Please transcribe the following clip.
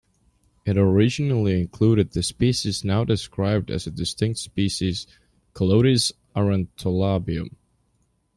It originally included the species now described as a distinct species, "Calotes aurantolabium".